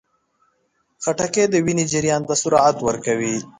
خټکی د وینې جریان ته سرعت ورکوي.